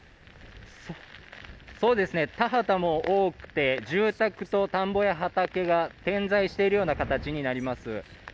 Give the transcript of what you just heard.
田畑も多くて住宅と田んぼや畑が点在しているような形になります。